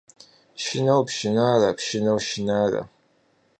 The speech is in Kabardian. Шынэу пшынарэ, пшынэу шынарэ.